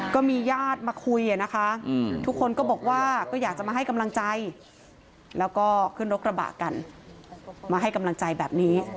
ก็มีญาติมาคุยนะคะทุกคนก็บอกว่าก็อยากจะมาให้กำลังใจแล้วก็ขึ้นรถกระบะกันมาให้กำลังใจแบบนี้